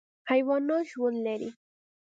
حیوانات ژوند لري.